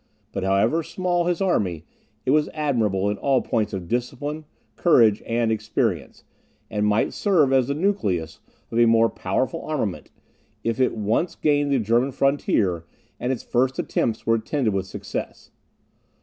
But however small his army, it was admirable in all points of discipline, courage, and experience, and might serve as the nucleus of a more powerful armament, if it once gained the German frontier, and its first attempts were attended with success.